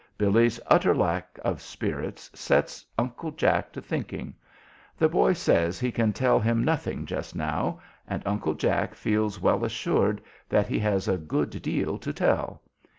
Billy's utter lack of spirits sets Uncle Jack to thinking. The boy says he can "tell him nothing just now," and Uncle Jack feels well assured that he has a good deal to tell.